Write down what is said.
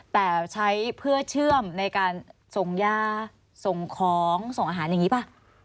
แต่ใช้เพื่อเชื่อมในการส่งยาส่งของส่งอาหารอย่างนี้ป่ะ